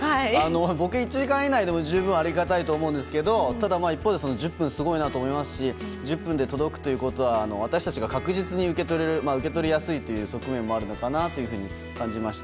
僕、１時間以内でも十分ありがたいと思いますが一方、１０分はすごいと思いますし１０分で届くということは私たちが確実に受け取れる、受け取りやすいという側面もあるのかなと感じました。